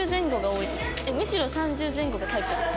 むしろ３０前後がタイプです。